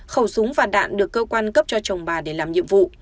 khẩu súng và đạn được cơ quan cấp cho chồng bà để làm nhiệm vụ